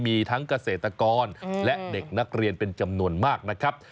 มีทั้งเกษตรกรและเด็กนักเรียนเป็นจำนวนมากนะครับ